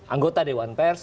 anggota dewan pers